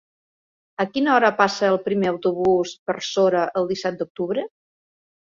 A quina hora passa el primer autobús per Sora el disset d'octubre?